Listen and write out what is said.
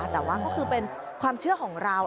แต่ว่าก็คือเป็นความเชื่อของเรา